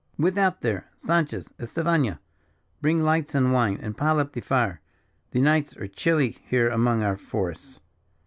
Without there! Sanchez, Estefania, bring lights, and wine, and pile up the fire; the nights are chilly here among our forests."